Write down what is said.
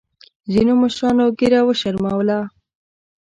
ځینو مشرانو ګیره وشرمولـه.